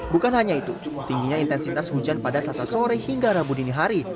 bukan hanya itu tingginya intensitas hujan pada selasa sore hingga rabu dini hari